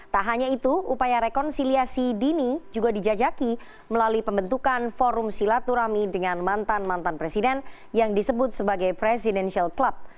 tak hanya itu upaya rekonsiliasi dini juga dijajaki melalui pembentukan forum silaturahmi dengan mantan mantan presiden yang disebut sebagai presidential club